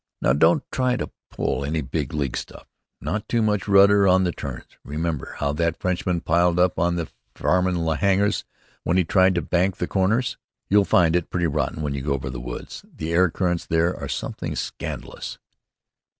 "Now don't try to pull any big league stuff. Not too much rudder on the turns. Remember how that Frenchman piled up on the Farman hangars when he tried to bank the corners." "You'll find it pretty rotten when you go over the woods. The air currents there are something scandalous!"